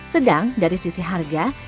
sedang dari sisi harga